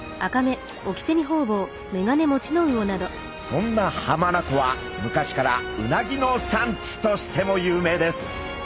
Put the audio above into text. そんな浜名湖は昔からうなぎの産地としても有名です。